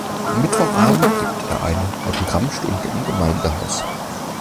Am Mittwochabend gibt er eine Autogrammstunde im Gemeindehaus.